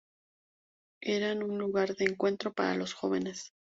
Eran un lugar de encuentro para los jóvenes.